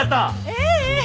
ええええ。